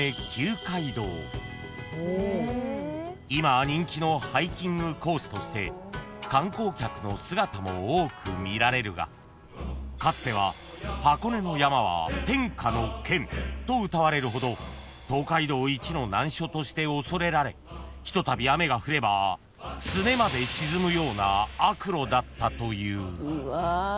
［今は人気のハイキングコースとして観光客の姿も多く見られるがかつては］［とうたわれるほど東海道一の難所として恐れられひとたび雨が降ればすねまで沈むような悪路だったという］